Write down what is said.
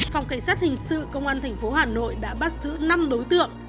phòng cảnh sát hình sự công an tp hà nội đã bắt giữ năm đối tượng